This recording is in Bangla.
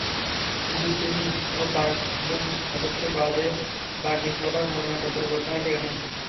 কিন্তু তিনিও পাঁচজন সদস্য বাদে বাকি সবার মনোনয়নপত্র প্রত্যাহার করে নেন।